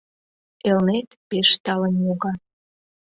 Элнет — пеш талын йога.